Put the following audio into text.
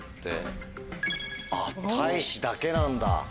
あったいしだけなんだ。